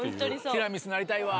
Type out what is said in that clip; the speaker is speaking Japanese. ティラミスなりたいわ。